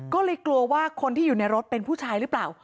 ก็เลยกลัวว่าคนที่อยู่ในรถเป็นผู้ชายหรือเปล่า